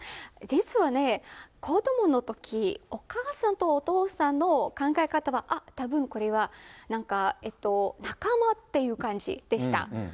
実はね、子どものとき、お母さんとお父さんの考え方は、あっ、たぶんこれは、なんか仲間っていう感じでした。